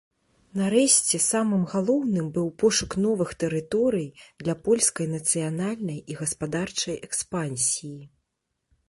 Нарэшце, самым галоўным быў пошук новых тэрыторый для польскай нацыянальнай і гаспадарчай экспансіі.